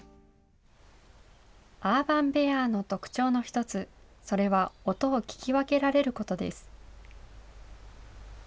アーバンベアの特徴の一つ、それは音を聞き分けられることです。